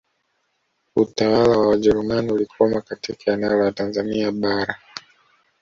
Utawala wa Wajerumani ulikoma katika eneo la Tanzania Bara